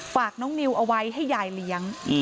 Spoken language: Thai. ฝากน้องนิวเอาไว้ให้ยายเลี้ยง